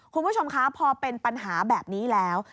คุณผู้ชมคะพอเป็นปัญหาแบบนี้แล้ว